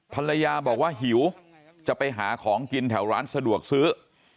ภรรยาบอกว่าหิวจะไปหาของกินแถวร้านสะดวกซื้อ